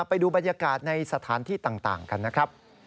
ไปดูบรรยากาศในสถานที่ต่างกันนะครับ